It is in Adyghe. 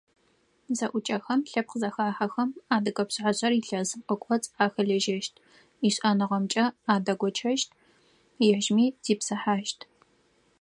Зэӏукӏэхэм, лъэпкъ зэхахьэхэм адыгэ пшъашъэр илъэсым къыкӏоцӏ ахэлэжьэщт, ишӏэныгъэхэмкӏэ адэгощэщт, ежьми зипсыхьащт.